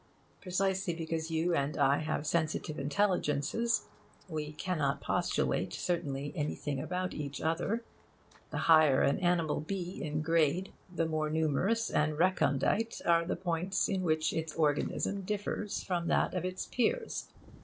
Precisely because you and I have sensitive intelligences, we cannot postulate certainly anything about each other. The higher an animal be in grade, the more numerous and recondite are the points in which its organism differs from that of its peers.